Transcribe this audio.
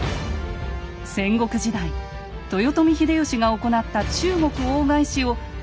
戦国時代豊臣秀吉が行った中国大返しをはるかに上回る速さ。